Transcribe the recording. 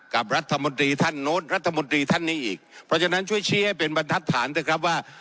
กับรัฐมนตรีท่านโน้นรัฐมนตรีท่านนี้อีกเพราะฉะนั้นช่วยชี้ให้เป็นบรรทัดฐานเถอะครับว่า